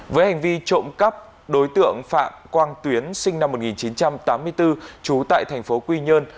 với hành vi trộm cắp đối tượng phạm quang tuyến sinh năm một nghìn chín trăm tám mươi bốn trú tại thành phố quy nhơn